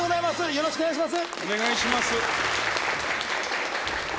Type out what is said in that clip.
よろしくお願いします。